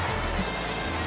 jangan makan aku